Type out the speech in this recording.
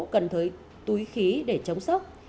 cần thuế túi khí để chống sốc